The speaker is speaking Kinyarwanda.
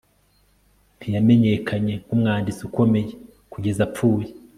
Ntiyamenyekanye nkumwanditsi ukomeye kugeza apfuye